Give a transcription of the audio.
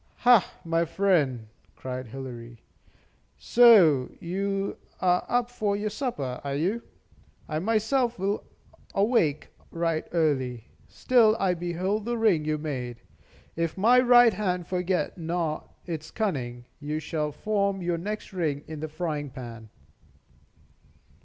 "Ha, my friend!" cried Hilary, "so you are up for your supper, are you? I myself will awake right early. Still I behold the ring you made. If my right hand forget not its cunning, you shall form your next ring in the frying pan."